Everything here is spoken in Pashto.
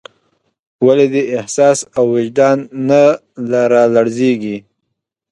ولې دې احساس او وجدان نه رالړزېږي.